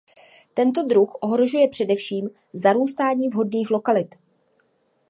Tento druh ohrožuje především zarůstání vhodných lokalit.